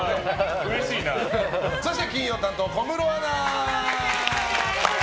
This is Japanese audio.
そして金曜担当、小室アナ！